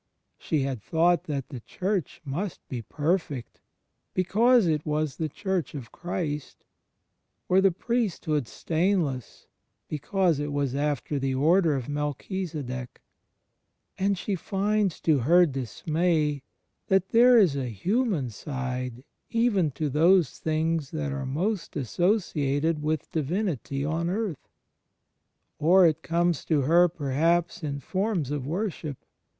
She had thought that the Church must be perfect, because it was the Church of Christ, or the priesthood stainless because it was after the Order of Melchisedech; and she finds to her dismay that there is a human side even to those things that are most associated with Divinity on earth. Or it comes to her, perhaps, in forms of wor ship.